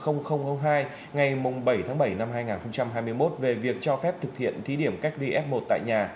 ngày bảy tháng bảy năm hai nghìn hai mươi một về việc cho phép thực hiện thí điểm cách ly f một tại nhà